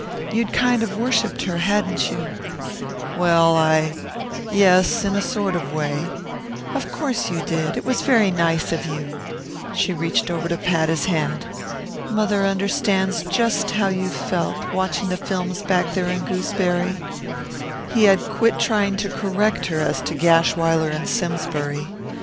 You'd kind of worshiped her, hadn't you?" "Well, I yes, in a sort of way " "Of course you did; it was very nice of you " She reached over to pat his hand. "Mother understands just how you felt, watching the films back there in Gooseberry " He had quit trying to correct her as to Gashwiler and Simsbury.